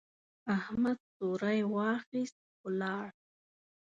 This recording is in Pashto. احمد څوری واخيست، ولاړ.